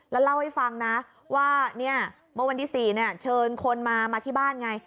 แล้วเล่าให้ฟังนะว่าเมื่อวันที่๔เชิญคนมาที่บ้านไง